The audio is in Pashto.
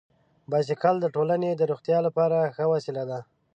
بایسکل د ټولنې د روغتیا لپاره ښه وسیله ده.